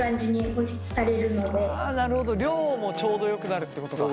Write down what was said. あなるほど量もちょうどよくなるってことか。